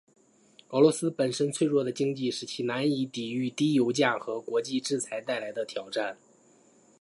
俄罗斯本身脆弱的经济使其难以抵御低油价和国际制裁带来的挑战。